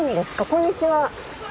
こんにちは。